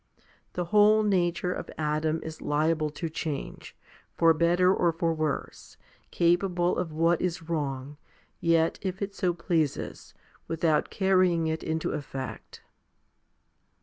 The whole nature of Adam 1 is liable to change, for better or for worse, capable of what is wrong, yet, if it so pleases, without carrying it into effect.